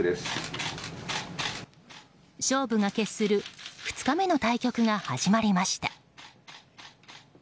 勝負が決する２日目の対局が始まりました。